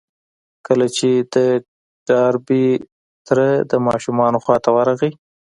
کله چې د ډاربي تره د ماشومې خواته ورغی.